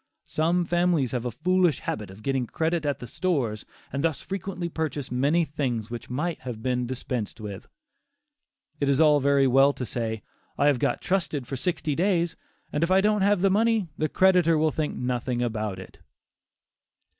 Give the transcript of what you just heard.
Some families have a foolish habit of getting credit at "the stores," and thus frequently purchase many things which might have been dispensed with. It is all very well to say, "I have got trusted for sixty days, and if I don't have the money, the creditor will think nothing about it."